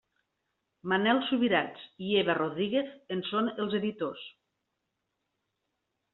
Manel Subirats i Eva Rodríguez en són els editors.